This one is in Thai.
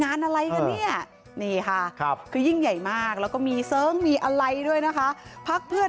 อะไรกันเนี่ยนี่ค่ะคือยิ่งใหญ่มากแล้วก็มีเสิร์งมีอะไรด้วยนะคะพักเพื่อน